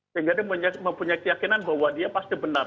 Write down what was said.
sehingga dia mempunyai keyakinan bahwa dia pasti benar